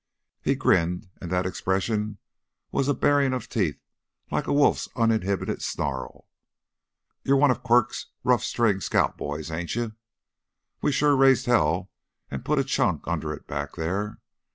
He grinned and that expression was a baring of teeth like a wolf's uninhibited snarl. "You one of Quirk's rough string scout boys, ain't you? We sure raised hell an' put a chunk under it back theah.